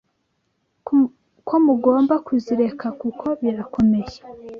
ko mugomba kuzireka kuko birakomeye.